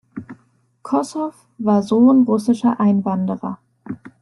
Kossoff war Sohn russischer Einwanderer.